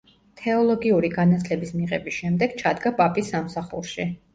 თეოლოგიური განათლების მიღების შემდეგ ჩადგა პაპის სამსახურში.